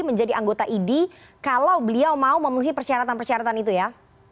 menjadi anggota idi kalau beliau mau memenuhi persyaratan persyaratan itu ya